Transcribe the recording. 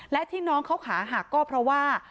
และที่น้องเขาขาหักก็เพราะว่า